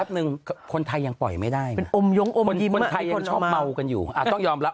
หนึ่งคนไทยยังปล่อยไม่ได้คนไทยยังชอบเมากันอยู่ต้องยอมรับ